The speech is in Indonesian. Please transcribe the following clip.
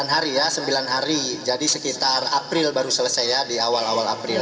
delapan hari ya sembilan hari jadi sekitar april baru selesai ya di awal awal april